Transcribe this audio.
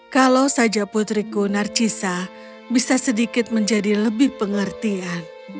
kalau saja putriku narcisa bisa sedikit menjadi lebih pengertian